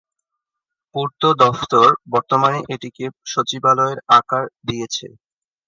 পূর্ত দফতর বর্তমানে এটিকে সচিবালয়ের আকার দিয়েছে।